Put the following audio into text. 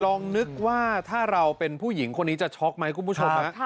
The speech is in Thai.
ลองนึกว่าถ้าเราเป็นผู้หญิงคนนี้จะช็อกไหมคุณผู้ชม